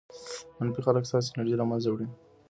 منفي خلک ستاسې انرژي له منځه وړي.